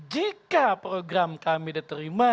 jika program kami diterima